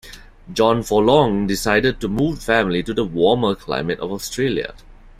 John Forlonge decided to move the family to the warmer climate of Australia.